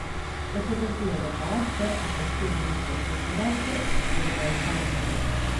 Ese desvío de carácter acostuma irse estruturando desde a infancia.